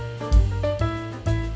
namun kadang keendar listed